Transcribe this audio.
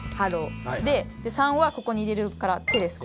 で３はここに入れるから「て」です